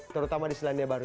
terutama di selandia baru